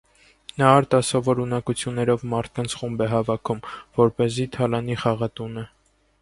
Նա արտասովոր ունակություններով մարդկանց խումբ է հավաքում, որպեսզի թալանի խաղատունը։